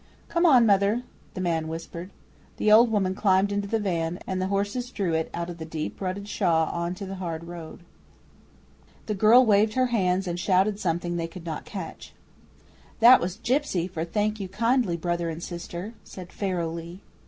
'Come on, mother,' the man whispered. The old woman climbed into the van, and the horses drew it out of the deep rutted shaw on to the hard road. The girl waved her hands and shouted something they could not catch. 'That was gipsy for "Thank you kindly, Brother and Sister,"' said Pharaoh Lee.